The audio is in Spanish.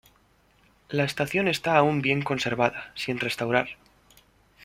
La estación está aún bien conservada, sin restaurar.